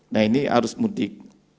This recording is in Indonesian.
nah ini arus mudik